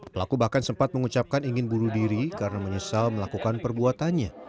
pelaku bahkan sempat mengucapkan ingin bunuh diri karena menyesal melakukan perbuatannya